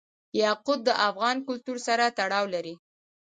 یاقوت د افغان کلتور سره تړاو لري.